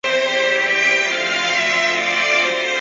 蒙特内哥罗公国的首都位于采蒂涅。